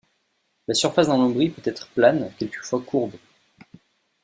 La surface d'un lambris peut être plane, quelquefois courbe.